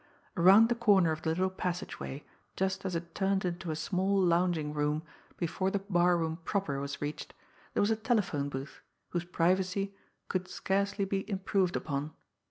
Around the corner of the little passageway, just as it turned into a small lounging room before the barroom proper was reached, was a telephone booth whose privacy could scarcely be improved upon.